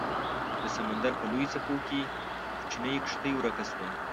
د سمندر په لویو څپو کې کوچنۍ کیشتي ورکه شوه